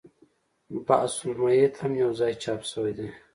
بحث المیت هم یو ځای چاپ شوی دی.